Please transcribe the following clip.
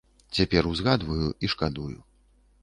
Цяпер узгадваю і шкадую.